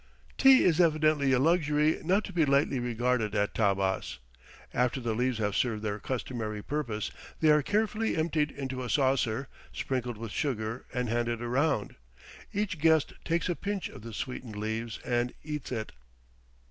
Tea is evidently a luxury not to be lightly regarded at Tabbas; after the leaves have served their customary purpose, they are carefully emptied into a saucer, sprinkled with sugar, and handed around each guest takes a pinch of the sweetened leaves and eats it.